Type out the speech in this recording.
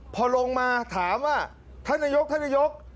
พอลงมาถามว่าท่านนายก